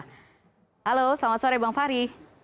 halo selamat sore bang fahri